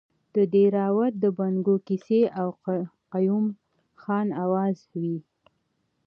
د دیراوت د بنګو کیسې او قیوم خان اوازې وې.